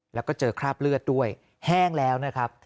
แล้วก็เจอคราบเลือดด้วยแห้งแล้วนะครับ